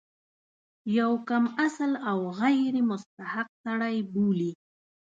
یو کم اصل او غیر مستحق سړی بولي.